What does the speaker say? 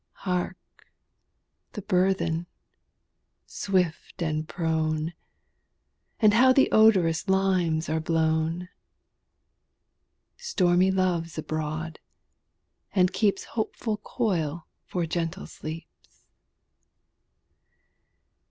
Hark! the burthen, swift and prone! And how the odorous limes are blown! Stormy Love's abroad, and keeps Hopeful coil for gentle sleeps.